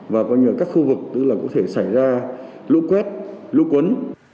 và các khu vực có thể xảy ra lũ quét lũ quấn